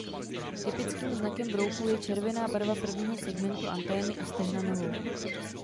Typickým znakem brouků je červená barva prvního segmentu antény a stehna nohou.